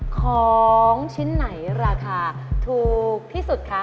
ของชิ้นไหนราคาถูกที่สุดคะ